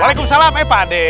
waalaikumsalam eh pak ade